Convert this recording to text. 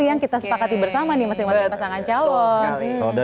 yang kita sepakati bersama nih masing masing pasangan calon